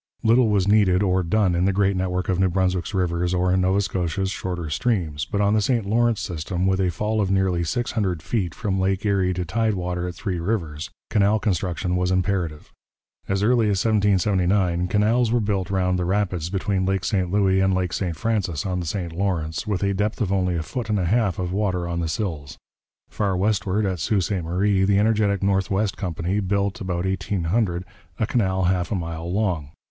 Little was needed or done in the great network of New Brunswick's rivers or in Nova Scotia's shorter streams, but on the St Lawrence system, with a fall of nearly six hundred feet from Lake Erie to tide water at Three Rivers, canal construction was imperative. As early as 1779 canals were built round the rapids between Lake St Louis and Lake St Francis, on the St Lawrence, with a depth of only a foot and a half of water on the sills. Far westward, at Sault Ste Marie, the energetic North West Company built, about 1800, a canal half a mile long.